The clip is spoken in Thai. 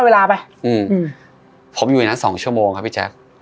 เวลาไปอืมผมอยู่อย่างนั้น๒ชั่วโมงครับพี่แจ๊ค